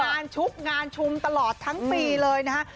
ชุกงานชุมตลอดทั้งปีเลยนะฮะ